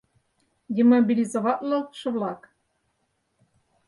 Демобилизоватлалтше-влак?